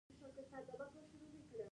معیاري ژبه ټولنه متحدوي.